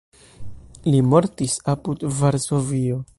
Li mortis apud Varsovio.